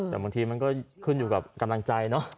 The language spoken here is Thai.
แต่บางทีมันก็ขึ้นอยู่กับกำลังใจเนอะ